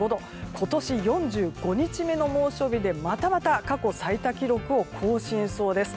今年４５日目の猛暑日で、またまた過去最多記録を更新しそうです。